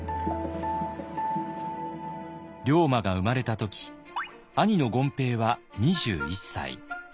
龍馬が生まれた時兄の権平は２１歳。